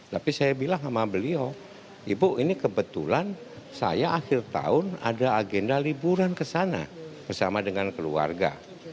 tapi saya bilang sama beliau ibu ini kebetulan saya akhir tahun ada agenda liburan kesana bersama dengan keluarga